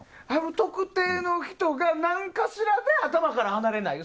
特定の人が何かしらで頭から離れない。